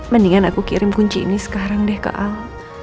mendingan aku kirim kunci ini sekarang deh ke al